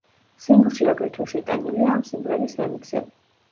სინგლში აგრეთვე შეტანილია ამ სიმღერის რემიქსები.